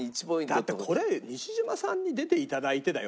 だってこれ西島さんに出て頂いてだよ